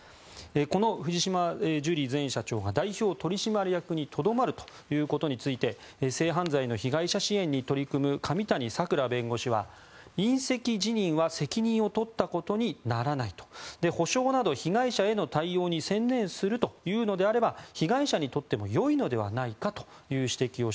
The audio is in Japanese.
この藤島ジュリー前社長が代表取締役にとどまるということについて性犯罪の被害者支援に取り組む上谷さくら弁護士は引責辞任は責任を取ったことにならないと。補償など被害者への対応に専念するというのであれば被害者にとってもよいのではないかという指摘を